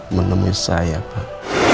menemui saya pak